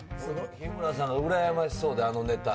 日村さん、羨ましそうで、あのネタ。